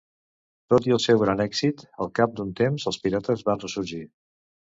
Tot i el seu gran èxit, al cap d'un temps els pirates van ressorgir.